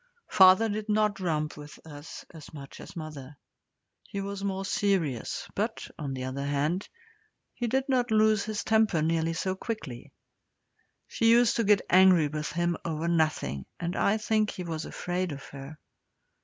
Father did not romp with us as much as mother. He was more serious, but, on the other hand, he did not lose his temper nearly so quickly. She used to get angry with him over nothing, and I think he was afraid of her.